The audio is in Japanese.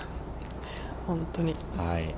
本当に。